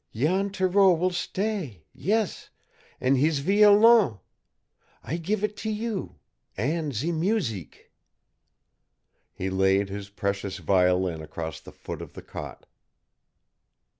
"Jan Thoreau will stay, yes and hees violon! I give it to you and ze museek!" He laid his precious violin across the foot of the cot.